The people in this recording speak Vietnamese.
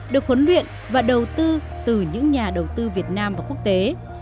được huấn luyện và đầu tư từ những nhà đầu tư việt nam và quốc tế